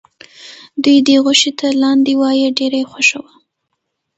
دوی دې غوښې ته لاندی وایه ډېره یې خوښه وه.